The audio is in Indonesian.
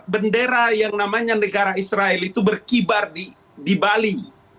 bendera yang namanya negara israel itu berkibar di bali